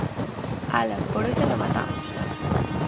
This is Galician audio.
Ala, por hoxe rematamos!